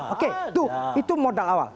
oke itu modal awal